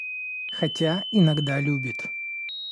Хотя, иногда любит.